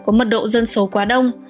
có mật độ dân số quá đông